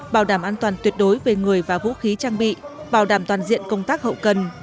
bảo đảm an toàn tuyệt đối về người và vũ khí trang bị bảo đảm toàn diện công tác hậu cần